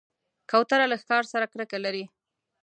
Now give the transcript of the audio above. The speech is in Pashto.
کوتره له ښکار سره کرکه لري.